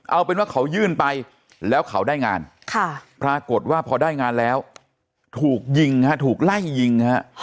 เอาเป็นว่าเขายื่นไปแล้วเขาได้งานปรากฏว่าพอได้งานแล้วถูกยิงฮะถูกไล่ยิงฮะ